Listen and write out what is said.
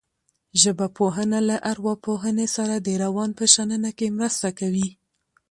ژبپوهنه له ارواپوهنې سره د روان په شننه کې مرسته کوي